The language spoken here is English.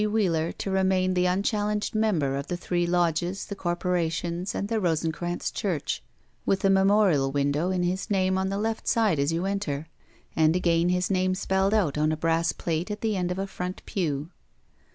Wheeler to remain the unchallenged member of the three lodges, the corporations, and the Rosencranz chtirch, with a memorial window in his name on the left side as you enter, and again his name spelled out on a brass plate at the end of a front pew.